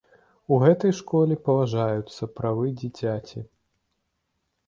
У гэтай школе паважаюцца правы дзіцяці.